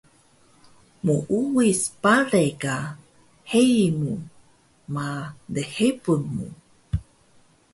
Muuwic bale ka heyi mu ma lhebun mu